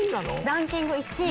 ランキング１位。